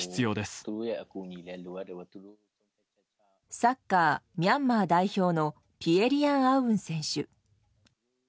サッカー、ミャンマー代表のピエ・リアン・アウン選手。